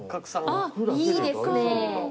あっいいですね。